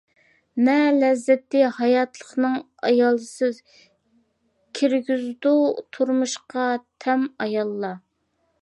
نە لەززىتى ھاياتلىقنىڭ ئايالسىز، كىرگۈزىدۇ تۇرمۇشقا تەم ئاياللار.